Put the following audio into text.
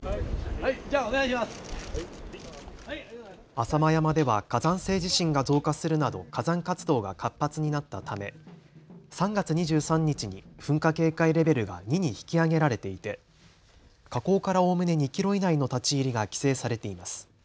浅間山では火山性地震が増加するなど火山活動が活発になったため３月２３日に噴火警戒レベルが２に引き上げられていて火口からおおむね２キロ以内の立ち入りが規制されています。